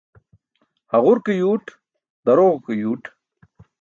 Haġur ke yuuṭ, daroġo ke yuuṭ.